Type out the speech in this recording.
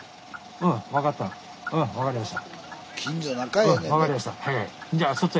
うん分かりました。